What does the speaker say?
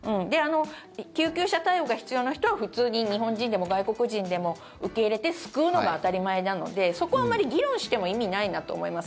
救急車対応が必要な人は普通に日本人でも外国人でも受け入れて救うのが当たり前なのでそこはあまり議論しても意味ないなと思います。